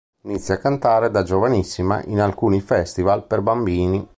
Inizia a cantare da giovanissima in alcuni festival per bambini.